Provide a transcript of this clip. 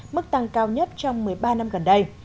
mức tăng cao nhất trong một mươi ba năm gần đây